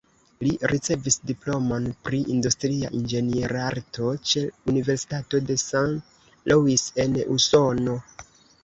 Li ricevis diplomon pri industria inĝenierarto ĉe Universitato de Saint Louis en Usono.